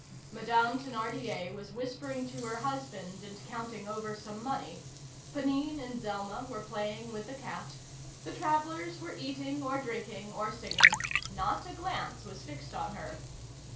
Madame Thénardier was whispering to her husband and counting over some money; Ponine and Zelma were playing with the cat; the travellers were eating or drinking or singing; not a glance was fixed on her.